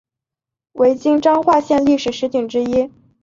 为今彰化县历史十景之一。